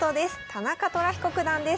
田中寅彦九段です。